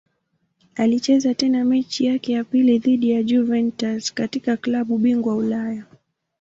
Alicheza tena mechi yake ya pili dhidi ya Juventus katika klabu bingwa Ulaya.